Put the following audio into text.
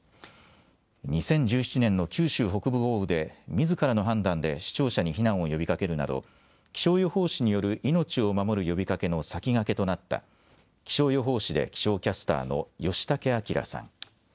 ２０１７年の九州北部豪雨でみずからの判断で視聴者に避難を呼びかけるなど気象予報士による命を守る呼びかけの先駆けとなった気象予報士で気象キャスターの吉竹顕彰さん。